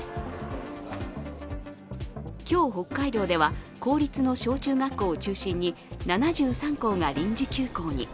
今日、北海道では、公立の小中学校を中心に７３校が臨時休校に。